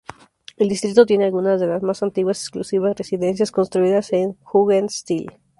El distrito tiene algunas de las más antiguas y exclusivas residencias, construidas en jugendstil.